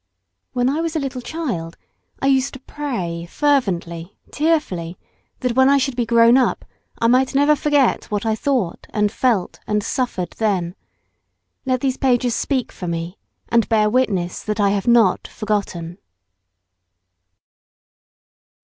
When I was a little child I used to pray fervently, tearfully, that when I should be grown up I might never forget what I thought and felt and suffered then. Let these pages speak for me, and bear witness that I have not forgotten.